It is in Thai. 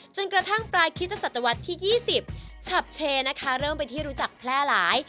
จนกระทั่งปลายคริสตสัตวรรษที่๒๐ชับเชเริ่มไปที่รู้จักแพร่หลาย